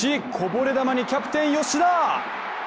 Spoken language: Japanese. こぼれ球にキャプテン・吉田。